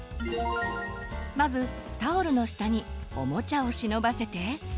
まずタオルの下におもちゃを忍ばせて。